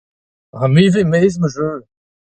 Ha me vez 'maez ma jeu.